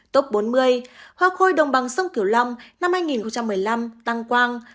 tốp bốn mươi hoa khôi đồng bằng sông kiểu lâm năm hai nghìn một mươi năm tăng quang